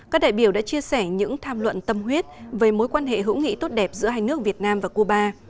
các đại biểu đã chia sẻ những tham luận tâm huyết về mối quan hệ hữu nghị tốt đẹp giữa hai nước việt nam và cuba